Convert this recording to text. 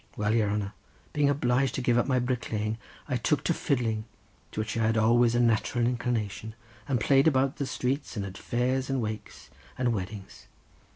Well, your hanner; being obliged to give up my bricklaying, I took to fiddling, to which I had always a natural inclination, and played about the streets, and at fairs, and wakes, and weddings.